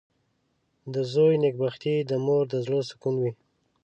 • د زوی نېکبختي د مور د زړۀ سکون وي.